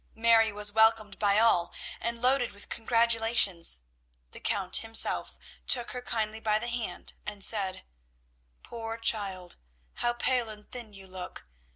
Mary was welcomed by all, and loaded with congratulations. The Count himself took her kindly by the hand, and said, "Poor child, how pale and thin you look.